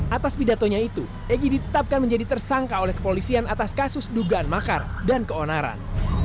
atas pidatonya itu egy ditetapkan menjadi tersangka oleh kepolisian atas kasus dugaan makar dan keonaran